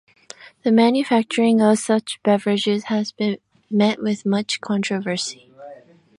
The manufacturing of such beverages has been met with much controversy.